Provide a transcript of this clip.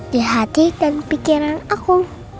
di hati dan pikiran aku